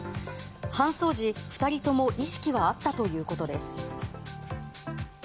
搬送時、２人とも意識はあったということです。